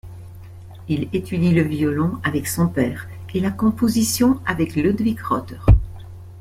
Il étudie le violon avec son père et la composition avec Ludwig Rotter.